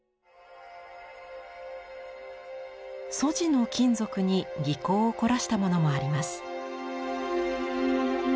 素地の金属に技巧を凝らしたものもあります。